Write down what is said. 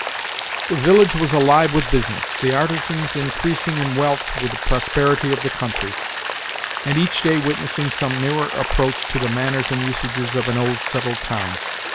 The village was alive with business, the artisans increasing in wealth with the prosperity of the country, and each day witnessing some nearer approach to the manners and usages of an old settled town.